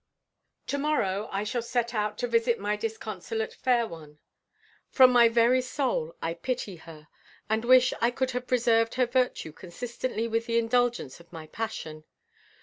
To morrow I shall set out to visit my disconsolate fair one. From my very soul I pity her, and wish I could have preserved her virtue consistently with the indulgence of my passion.